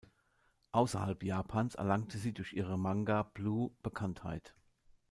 Außerhalb Japans erlangte sie durch ihren Manga "blue" Bekanntheit.